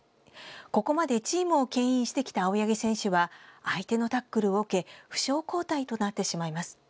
ここまでチームをけん引してきた青柳選手は相手のタックルを受け負傷交代となってしまいます。